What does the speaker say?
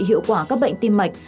hiệu quả các bệnh tim mạch